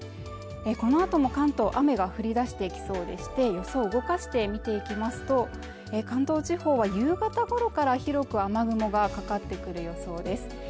このあとも関東雨が降り出してきそうでして予想動かして見ていきますと関東地方は夕方ごろから広く雨雲がかかってくる予想です